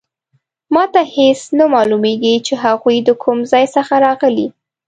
ما ته هیڅ نه معلومیږي چې هغوی د کوم ځای څخه راغلي